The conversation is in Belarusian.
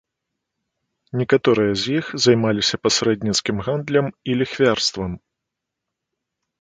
Некаторыя з іх займаліся пасрэдніцкім гандлем і ліхвярствам.